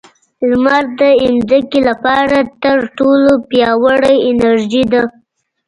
• لمر د ځمکې لپاره تر ټولو پیاوړې انرژي ده.